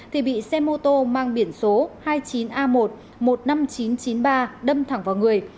thì bị xe mô tô mang biển số hai mươi chín a một một mươi năm nghìn chín trăm chín mươi ba đâm thẳng vào người